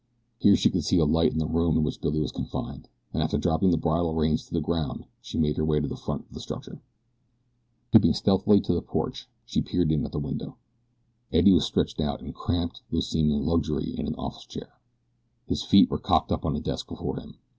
Here she could see a light in the room in which Billy was confined, and after dropping the bridle reins to the ground she made her way to the front of the structure. Creeping stealthily to the porch she peered in at the window. Eddie was stretched out in cramped though seeming luxury in an office chair. His feet were cocked up on the desk before him.